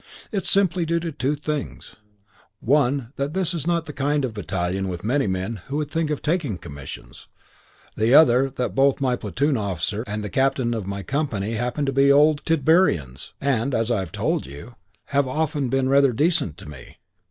It's simply due to two things: one that this is not the kind of battalion with many men who would think of taking commissions; the other that both my platoon officer and the captain of my company happen to be Old Tidburians and, as I've told you, have often been rather decent to me.